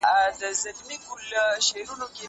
که وخت وي، مينه څرګندوم؟!